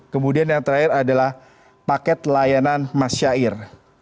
kemudian yang terakhir adalah paket layanan masyair